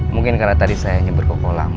mungkin karena tadi saya nyebur ke kolam